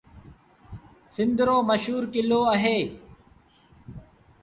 سنڌ رو مشهور ڪلو اهي۔